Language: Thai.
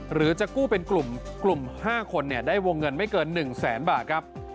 หรือจะกู้เป็นกลุ่ม๕คนได้วงเงินไม่เกิน๑แสนบาทครับ